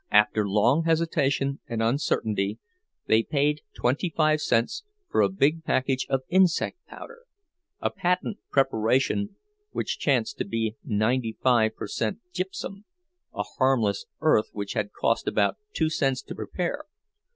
After long hesitation and uncertainty they paid twenty five cents for a big package of insect powder—a patent preparation which chanced to be ninety five per cent gypsum, a harmless earth which had cost about two cents to prepare.